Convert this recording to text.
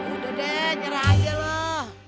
udah deh nyerah aja lah